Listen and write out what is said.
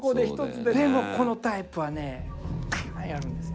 でもこのタイプはねカーッやるんですよ。